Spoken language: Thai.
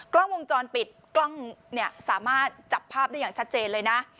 กล้องวงจรปิดกล้องเนี่ยสามารถจับภาพได้อย่างชัดเจนเลยนะ